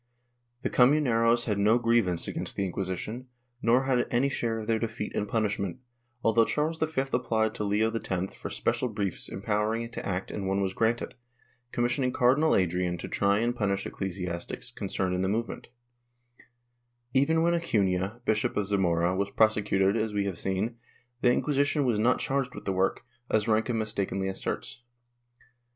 The comuneros had no grievance against the Inquisition, nor had it any share in their defeat and punishment, although Charles V applied to Leo X for special briefs empowering it to act and one was granted, commissioning Cardinal Adrian to try and punish ecclesiastics concerned in the movement/ Even when Acuha, Bishop of Zamora, was prosecuted, as we have seen, the Inqui sition was not charged with the w^ork, as Ranke mistakenly asserts.